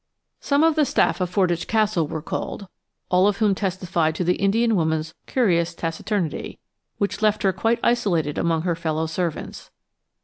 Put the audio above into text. Some of the staff of Fordwych Castle were called, all of whom testified to the Indian woman's curious taciturnity, which left her quite isolated among her fellow servants.